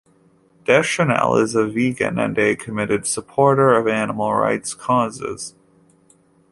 Deschanel is a vegan and a committed supporter of animal rights causes.